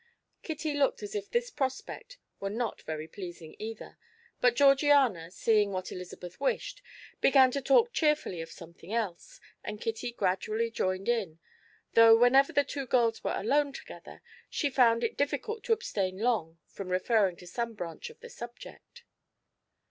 Kitty looked as if this prospect were not very pleasing either, but Georgiana, seeing what Elizabeth wished, began to talk cheerfully of something else, and Kitty gradually joined in, though whenever the two girls were alone together she found it difficult to abstain long from referring to some branch of the subject.